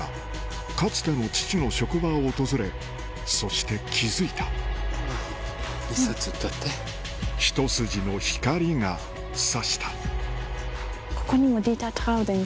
かつての父の職場を訪れそして気付いたひと筋の光が差したあっ